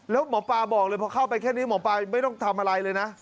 แล้วหมอปลาบอกเลยพอเข้าไปแค่นี้หมอปลาไม่ต้องทำอะไรเลยนะ